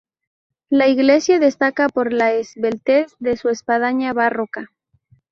La iglesia destaca por la esbeltez de su espadaña barroca.